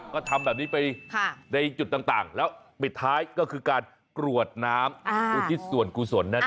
ก็ทำแบบนี้ไปในจุดต่างแล้วปิดท้ายก็คือการกรวดน้ำอุทิศส่วนกุศลนั่นเอง